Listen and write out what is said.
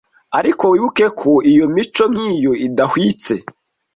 Ariko wibuke ko iyo mico nk’iyo idahwitse